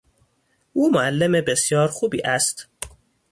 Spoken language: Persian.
او معلم بسیار خوبی است.